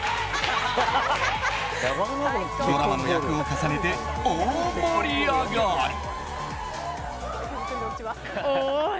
ドラマの役を重ねて大盛り上がり。